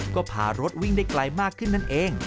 ก็พารถวิ่งได้ไกลมากขึ้นนั่นเอง